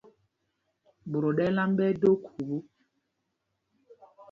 Ɓot o ɗɛ́l am ɓɛ́ ɛ́ do khubú.